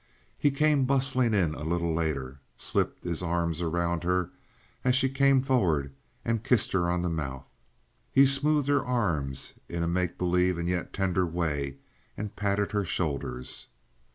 He came bustling in a little later, slipped his arms around her as she came forward and kissed her on the mouth. He smoothed her arms in a make believe and yet tender way, and patted her shoulders.